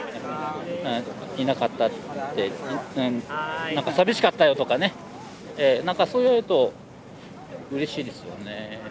「いなかった」って「寂しかったよ」とかねなんかそう言われるとうれしいですよね。